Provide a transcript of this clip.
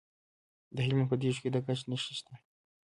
د هلمند په دیشو کې د ګچ نښې شته.